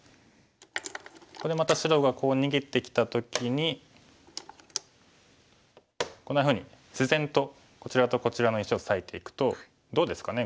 ここでまた白が逃げてきた時にこんなふうに自然とこちらとこちらの石を裂いていくとどうですかね